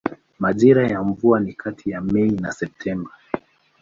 Majira ya mvua ni kati ya Mei na Septemba.